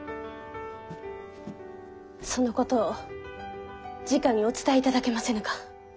そのことをじかにお伝えいただけませぬか。